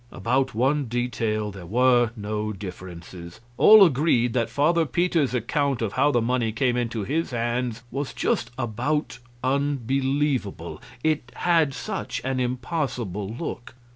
About one detail there were no differences; all agreed that Father Peter's account of how the money came into his hands was just about unbelievable it had such an impossible look.